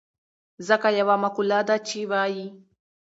ځکه يوه مقوله ده چې وايي.